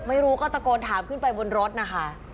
ไม่รู้ก็ตะโกนถามขึ้นไปบนรถนะคะ